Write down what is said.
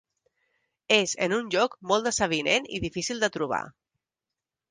És en un lloc molt desavinent i difícil de trobar.